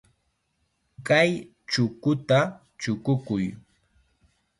Kay chukuta chukukuy.